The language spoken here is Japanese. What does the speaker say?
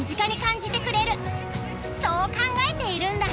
そう考えているんだ。